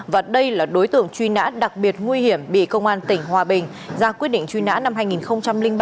và đây là đối tượng truy nã đặc biệt nguy hiểm bị công an tỉnh hòa bình ra quyết định truy nã năm hai nghìn ba